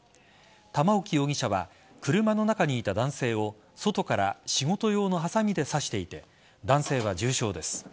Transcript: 玉置容疑者は車の中にいた男性を外から仕事用のはさみで刺していて男性は重傷です。